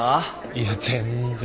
いや全然。